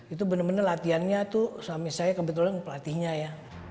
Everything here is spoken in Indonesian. itu benar benar latihannya tuh suami saya kebetulan pelatihnya ya